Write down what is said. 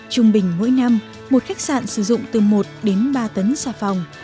trung bình mỗi năm một khách sạn sử dụng từ một đến ba tấn xà phòng